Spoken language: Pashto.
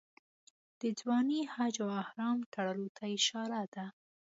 د ځوانۍ حج او احرام تړلو ته اشاره ده.